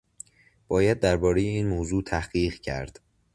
باید دربارهٔ این موضوع تحقیق کرد.